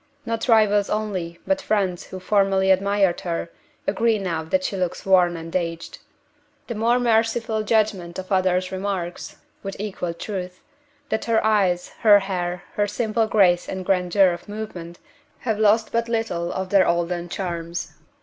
Not rivals only, but friends who formerly admired her, agree now that she looks worn and aged. The more merciful judgment of others remarks, with equal truth, that her eyes, her hair, her simple grace and grandeur of movement have lost but little of their olden charms.